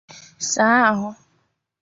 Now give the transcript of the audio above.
saa ahụ